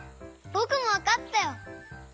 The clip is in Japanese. ぼくもわかったよ！